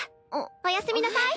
おやすみなさい。